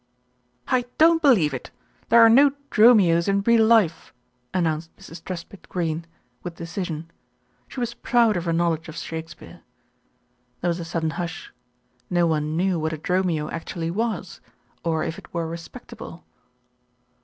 "I don't believe it ! There are no Dromios in real life," announced Mrs. Truspitt Greene with decision. She was proud of her knowledge of Shakespeare. There was a sudden hush. No one knew what a dromio actually was, or if it were respectable.